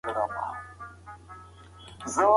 که انټرنیټ تېز وي نو د ژبې ویډیو ښه معلومېږي.